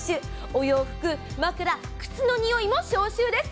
お洋服、枕、靴の臭いも消臭です。